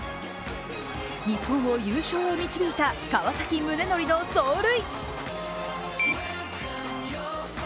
日本を優勝へ導いた川崎宗則の走塁。